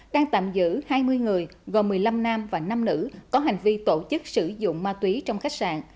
đang tạm giữ hai mươi người gồm một mươi năm nam và năm nữ có hành vi tổ chức sử dụng ma túy trong khách sạn